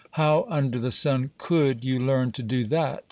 "How under the sun could you learn to do that?"